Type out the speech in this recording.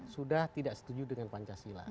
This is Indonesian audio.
sudah tidak setuju dengan pancasila